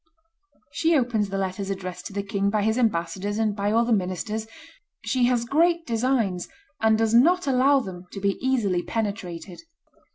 She opens the letters addressed to the king by his ambassadors and by all the ministers. ... She has great designs, and does not allow them to be easily penetrated.